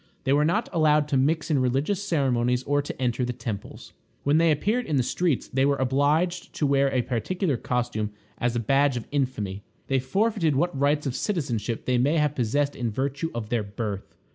They were not allowed to mix in religious ceremonies or to enter the temples. When they appeared in the streets they were obliged to wear a particular costume as a badge of infamy. They forfeited what rights of citizenship they may have possessed in virtue of their birth.